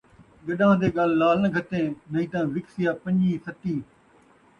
گݙان٘ہہ دے ڳل لعل ناں گھتّیں ، نئیں تاں وکسیا پن٘جیں ستّیں